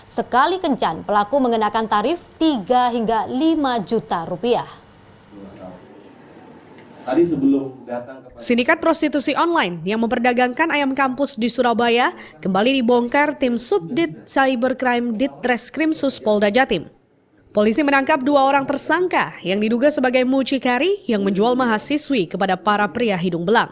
sekali kencan pelaku mengenakan tarif tiga hingga lima juta rupiah